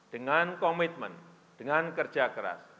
dengan komitmen dengan kerja keras